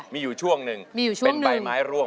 มีอยู่ช่วงหนึ่งเป็นใบไม้ร่วง